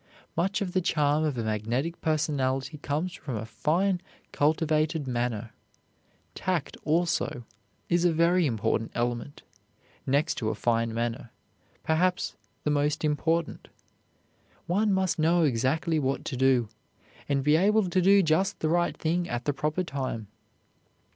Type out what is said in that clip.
Much of the charm of a magnetic personality comes from a fine, cultivated manner. Tact, also, is a very important element, next to a fine manner, perhaps the most important. One must know exactly what to do, and be able to do just the right thing at the proper time.